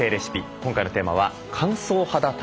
今回のテーマは乾燥肌対策です。